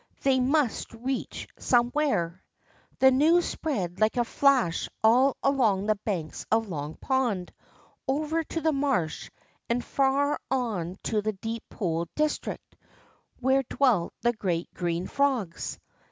They must reach somewhere." THE GREAT STORM 105 The news spread like a flash all along the banks of Long Pond, over to the marsh, and far on to the Deep Pool district, where dwelt the great green frogs.